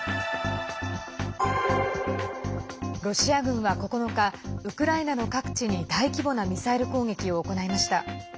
ロシア軍は９日ウクライナの各地に大規模なミサイル攻撃を行いました。